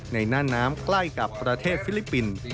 หน้าน้ำใกล้กับประเทศฟิลิปปินส์